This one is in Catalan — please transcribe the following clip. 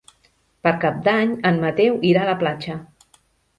Per Cap d'Any en Mateu irà a la platja.